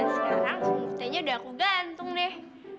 sekarang semua petainya udah aku gantung nih